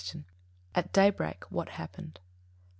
_At day break what happened?